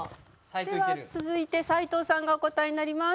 では続いて斉藤さんがお答えになります。